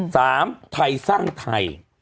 สามไทยสร้างไทย